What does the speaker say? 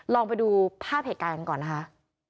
ลองไปดูภาพเหตุการณ์กันก่อนนะคะ